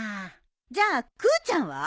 じゃあくーちゃんは？